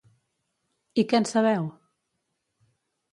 I què en sabeu?